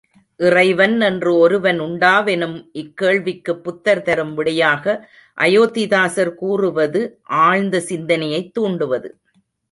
இறைவன் என்று ஒருவன் உண்டா வெனும் இக்கேள்விக்குப் புத்தர் தரும் விடையாக அயோத்திதாசர் கூறுவது ஆழ்ந்த சிந்தனையைத் தூண்டுவது.